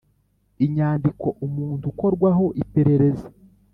inyandiko umuntu ukorwaho iperereza